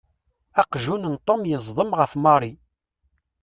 Aqjun n Tom yeẓḍem ɣef Mary.